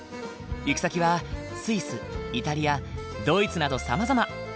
行き先はスイスイタリアドイツなどさまざま。